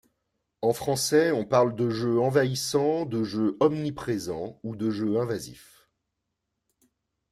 En français, on parle de jeu envahissant, de jeu omniprésent ou de jeu invasif.